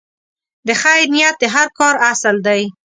د خیر نیت د هر کار اصل دی.